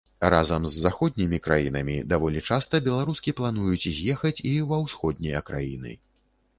Разам з заходнімі краінамі даволі часта беларускі плануюць з'ехаць і ва ўсходнія краіны.